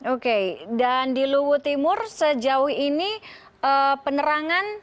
oke dan di luwu timur sejauh ini penerangan